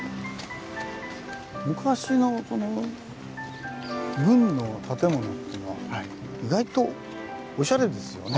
昔のその軍の建物っていうのは意外とおしゃれですよね。